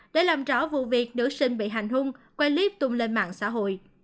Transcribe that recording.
để làm rõ vụ việc nữ sinh bị hành hung quay clip tung lên mạng xã hội